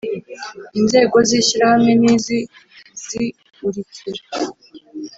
Inzego z Ishyirahamwe ni izi ziurikira